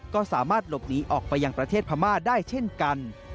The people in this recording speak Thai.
ก็สามารถหลบหนีออกไปยังประเทศพม่าได้เช่นกัน